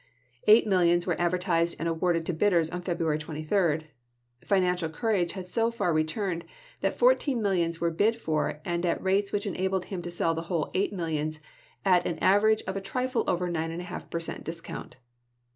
Eight mill ions were advertised and awarded to bidders on February 23. Financial courage had so far re turned that fourteen millions were bid for and at rates which enabled him to sell the whole eight millions at an average of a trifle over 9£ per cent. discount.